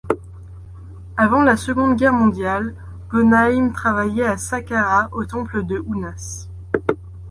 Avant la Seconde Guerre mondiale, Goneim travaillait à Saqqarah au temple de Ounas.